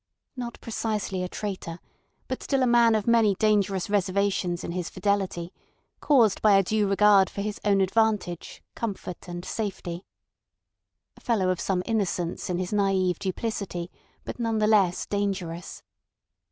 Not precisely a traitor, but still a man of many dangerous reservations in his fidelity, caused by a due regard for his own advantage, comfort, and safety. A fellow of some innocence in his naive duplicity, but none the less dangerous.